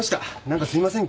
何かすいません。